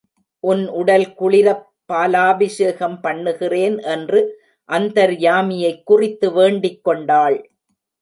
உன் உடல் குளிரப் பாலாபிஷேகம் பண்ணுகிறேன் என்று அந்தர்யாமியைக் குறித்து வேண்டிக் கொண்டாள்.